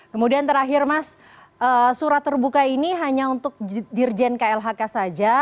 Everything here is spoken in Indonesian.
kemudian terakhir mas surat terbuka ini hanya untuk dirjen klhk saja